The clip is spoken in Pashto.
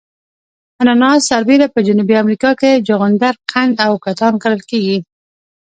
اناناس سربېره په جنوبي امریکا کې جغندر قند او کتان کرل کیږي.